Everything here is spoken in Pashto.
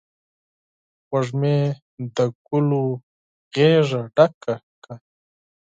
وږمې د ګلو غیږه ډکه کړله